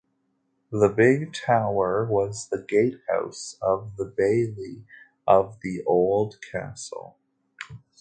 The big tower was the gatehouse of the bailey of the old castle.